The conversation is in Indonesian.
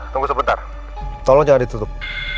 tunggu sebentar tolong jangan ditutup